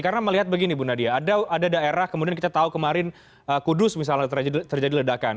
karena melihat begini bu nadia ada daerah kemudian kita tahu kemarin kudus misalnya terjadi ledakan